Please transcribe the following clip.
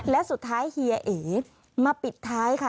และสุดท้ายเฮียเอ๋มาปิดท้ายค่ะ